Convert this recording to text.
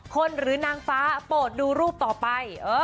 หรือนางฟ้าโปรดดูรูปต่อไป